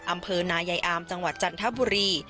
อำเภอนายายอามจังหวัดจันทบุรี